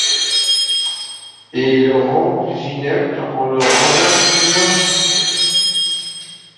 Et le rend plus inepte en le rendant plus vain ;